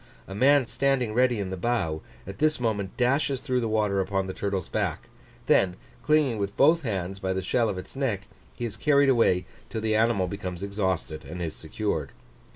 A man standing ready in the bow, at this moment dashes through the water upon the turtle's back; then clinging with both hands by the shell of its neck, he is carried away till the animal becomes exhausted and is secured.